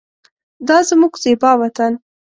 دا زمونږ زیبا وطن